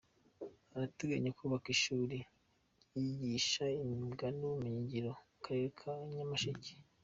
Urateganya kubaka ishuri ryigisha imyuga n’ubumenyingiro mu Karere ka Nyamasheke.